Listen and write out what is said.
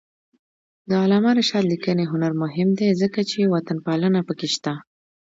د علامه رشاد لیکنی هنر مهم دی ځکه چې وطنپالنه پکې شته.